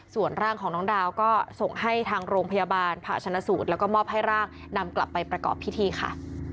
ส่วนร่างของน้องดาวก็ส่งให้ทางโรงพยาบาลผ่าชนะสูตรแล้วก็มอบให้ร่างนำกลับไปประกอบพิธีค่ะ